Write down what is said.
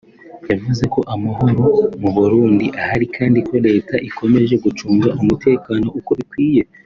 yavuze ko amahoro mu Burundi ahari kandi ko Leta ikomeje gucunga umutekano uko bikwiye